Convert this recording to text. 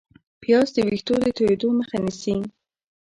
پیاز د ویښتو د تویېدو مخه نیسي